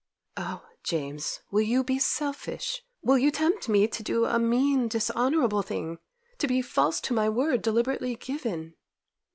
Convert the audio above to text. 'Oh, James, will you be selfish? Will you tempt me to do a mean, dishonourable thing—to be false to my word deliberately given?